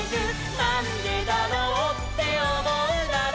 「なんでだろうっておもうなら」